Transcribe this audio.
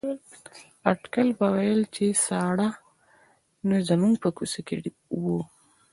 اټکل به ویل چې ساړه نو زموږ په کوڅه کې وو.